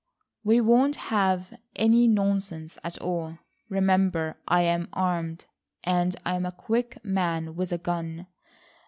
We won't have any nonsense at all. Remember I am armed, and I am a quick man with a gun.